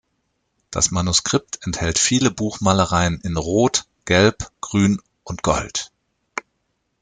Das Manuskript enthält viele Buchmalereien in Rot, Gelb, Grün und Gold.